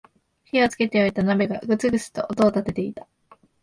火をつけておいた鍋がグツグツと音を立てていた